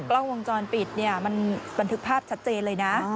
กล้องวงจรปิดมันถึกภาพชัดเจนเลยนะ